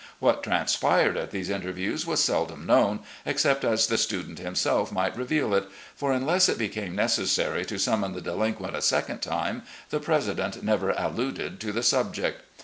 What transpired at these inter views was seldom known, except as the student himself might reveal it; for unless it became necessary to smn mon the delinquent a second time, the president never alluded to the subject.